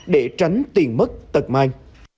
để tránh tiền mất tật mai